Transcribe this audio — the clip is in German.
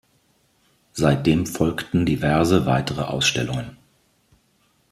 Seitdem folgten diverse weitere Ausstellungen.